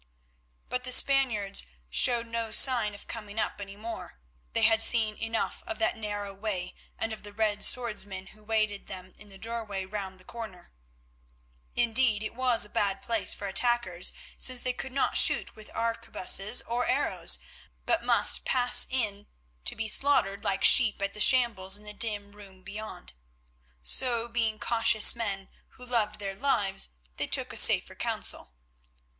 But the Spaniards showed no sign of coming up any more; they had seen enough of that narrow way and of the red swordsman who awaited them in the doorway round the corner. Indeed it was a bad place for attackers, since they could not shoot with arquebuses or arrows, but must pass in to be slaughtered like sheep at the shambles in the dim room beyond. So, being cautious men who loved their lives, they took a safer counsel.